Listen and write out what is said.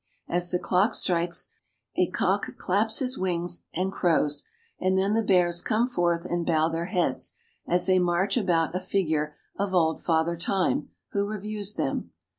As the clock strikes, a cock claps his wings, and crows, and then the bears come forth, and bow their heads, as they march about a figure of old Father Time, who reviews them.